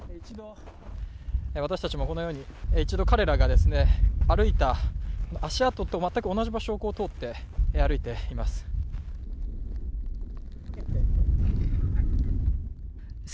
私達もこのように一度彼らがですね、歩いた足跡と全く同じ場所を通って歩いています。